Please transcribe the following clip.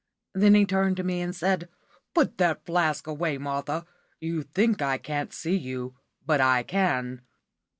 Then he turned to me and said "Put that flask away, Martha; you think I can't see you, but I can.